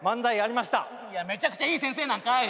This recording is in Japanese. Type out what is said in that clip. めちゃくちゃいい先生なんかい。